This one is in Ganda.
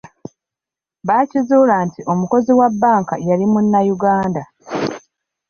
Bakizuula nti omukozi wa bbanka yali munnayuganda.